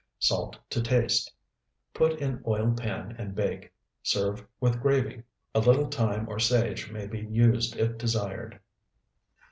Salt to taste. Put in oiled pan and bake. Serve with gravy. A little thyme or sage may be used if desired.